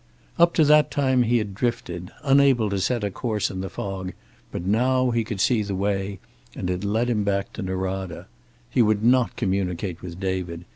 Up to that time he had drifted, unable to set a course in the fog, but now he could see the way, and it led him back to Norada. He would not communicate with David.